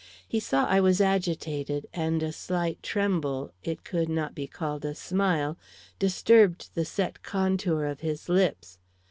He saw I was agitated, and a slight tremble it could not be called a smile disturbed the set contour of his lips.